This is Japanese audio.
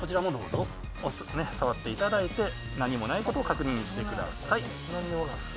触っていただいて何もないことを確認してください。